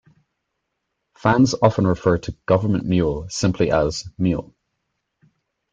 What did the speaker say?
Fans often refer to Gov't Mule simply as "Mule".